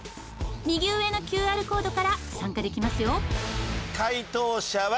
右上のＱＲコードから参加できますよ。